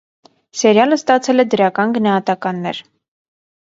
Սերիալը ստացել է դրական գնահատականներ։